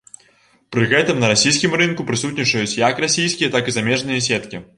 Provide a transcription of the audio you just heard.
Пры гэтым на расійскім рынку прысутнічаюць як расійскія, так і замежныя сеткі.